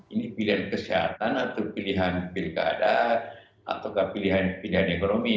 ini pilihan kesehatan atau pilihan pilkada ataukah pilihan ekonomi